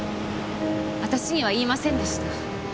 私には言いませんでした。